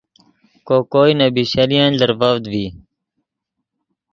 کو کوئے نے بیشَلۡیَنۡ لرڤڤد ڤی